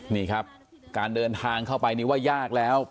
นี่ครับการเดินทางเข้าไปนี่ว่ายากแล้ว